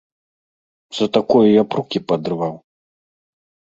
Да за такое я б рукі паадрываў!